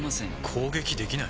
攻撃できない？